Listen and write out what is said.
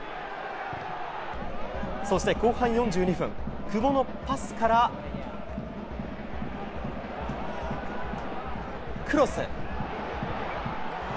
そして後半４２分久保のパスからクロス！